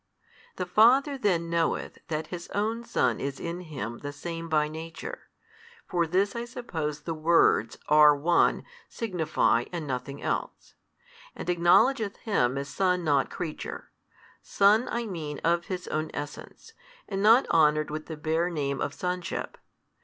The Father then knoweth that His own Son is in Him the Same by Nature (for this I suppose the words, are One, signify, and nothing else), and acknowledgeth Him as Son not creature; Son I mean of His own Essence, and not honoured with the bare name of Sonship.